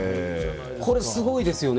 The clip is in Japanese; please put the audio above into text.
これはすごいですよね。